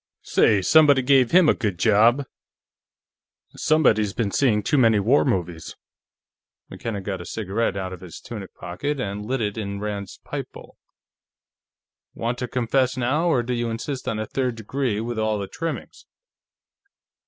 "Say, somebody gave him a good job!" "Somebody's been seeing too many war movies." McKenna got a cigarette out of his tunic pocket and lit it in Rand's pipe bowl. "Want to confess now, or do you insist on a third degree with all the trimmings?"